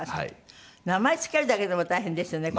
名前付けるだけでも大変ですよねこれね。